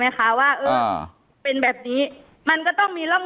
แต่คุณยายจะขอย้ายโรงเรียน